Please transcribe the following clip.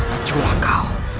aku menyerah kau